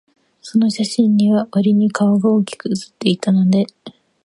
その写真には、わりに顔が大きく写っていたので、